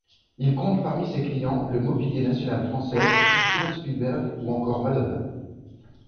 Il compte parmi ses clients le Mobilier national français, Steven Spielberg ou encore Madonna.